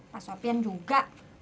pak sofian juga